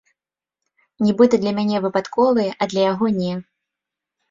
Нібыта для мяне выпадковыя, а для яго не.